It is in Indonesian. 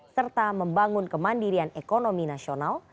serta membangun kemandirian ekonomi nasional